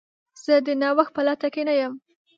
زه د نوښت په لټه کې نه یم.